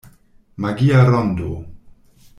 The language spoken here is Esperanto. Magia rondo.